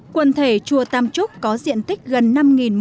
quần thể chùa tam trúc có diện tích gần năm một trăm linh